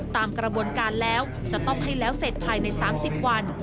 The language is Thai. ตามกระบวนการแล้วจะต้องให้แล้วเสร็จภายใน๓๐วัน